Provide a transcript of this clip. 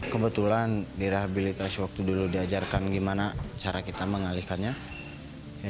kebetulan direhabilitasi waktu dulu diajarkan gimana cara kita mengalihkannya